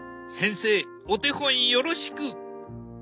先生お手本よろしく！